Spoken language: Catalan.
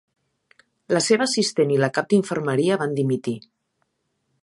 La seva assistent i la cap d'infermeria van dimitir.